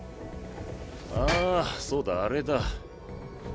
ああそうだあれだ。